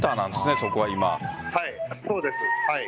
そうです。